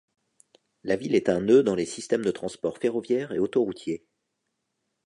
La ville est un nœud dans les systèmes de transports ferroviaire et autoroutier.